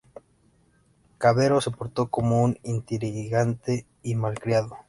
Cavero se portó como un intrigante y malcriado.